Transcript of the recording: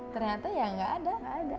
ternyata tidak ada